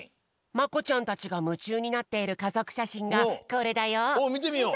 まこちゃんたちがむちゅうになっているかぞくしゃしんがこれだよ。みてみよう。